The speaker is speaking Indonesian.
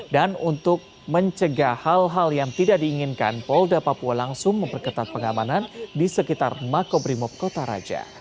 dan untuk mencegah hal hal yang tidak diinginkan polda papua langsung memperketat pengamanan di sekitar makobrimob kota raja